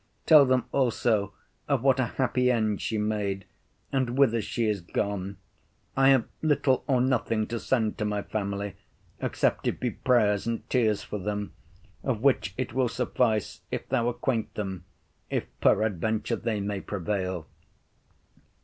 Tell them also of what a happy end she made, and whither she is gone. I have little or nothing to send to my family, except it be prayers and tears for them; of which it will suffice if thou acquaint them, if peradventure they may prevail.